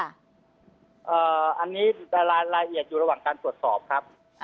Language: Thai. อันนี้รายละเอียดอยู่ระหว่างการตรวจสอบครับ